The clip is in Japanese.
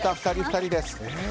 ２人、２人です。